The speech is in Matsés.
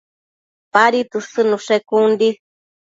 Padi tësëdnushe con di